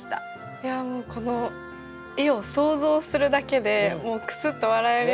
いやもうこの絵を想像するだけでもうクスッと笑えるような。